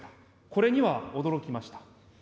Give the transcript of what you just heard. これには驚きました。